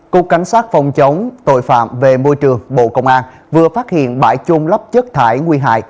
cục cảnh sát phòng chống tội phạm về môi trường bộ công an vừa phát hiện bãi chôn lấp chất thải nguy hại